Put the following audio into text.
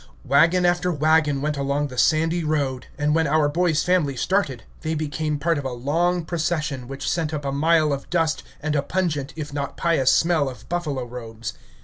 Wagon after wagon went along the sandy road, and when our boy's family started, they became part of a long procession, which sent up a mile of dust and a pungent, if not pious smell of buffalo robes.